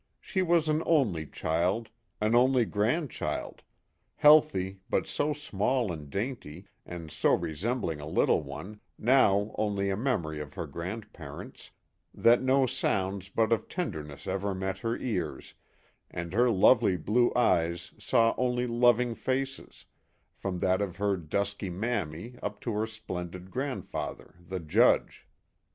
She was an only child, an only grandchild healthy, but so small and dainty, and so resem bling a little one now only a memory to her grandparents that no sounds but of tender ness ever met her ears, and her lovely blue eyes 101 saw only loving faces, from that of her dusky " Mammy " up to her splendid grandfather the Judge.